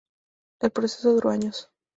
El proceso duró años.